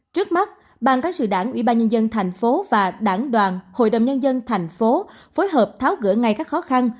trước mắt ban cán sự đảng ủy ban nhân dân thành phố và đảng đoàn hội đồng nhân dân thành phố phối hợp tháo gỡ ngay các khó khăn